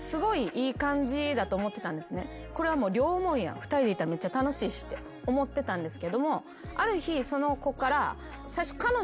２人でいたらめっちゃ楽しいしって思ってたんですけどもある日その子から。